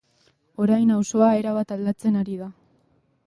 Orain auzoa erabat aldatzen ari da.